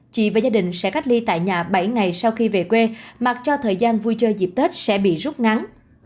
chị và gia đình sẽ cách ly tại nhà bảy ngày sau khi về quê mặc cho thời gian vui chơi dịp tết sẽ bị rút ngắn